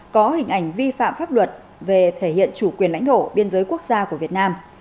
có hình ảnh vi phạm pháp luật về thể hiện chủ quyền lãnh thổ biên giới quốc gia của việt nam